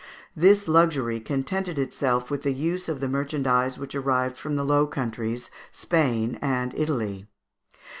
This luxury contented itself with the use of the merchandise which arrived from the Low Countries, Spain, and Italy.